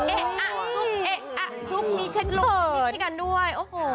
เอ๊ะอ่ะซุปซุปมีเช็ดลูกทิ้งให้กันด้วย